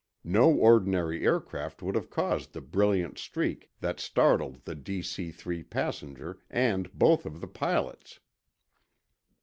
No ordinary aircraft would have caused the brilliant streak that startled the DC 3 passenger and both of the pilots.